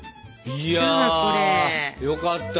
いやよかった。